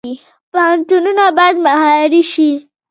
پوهنتونونه باید معیاري شي